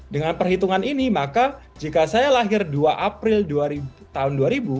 dengan perhitungan ini maka jika saya lahir dua april tahun dua ribu